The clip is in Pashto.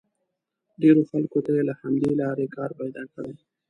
ډېرو خلکو ته یې له همدې لارې کار پیدا کړی.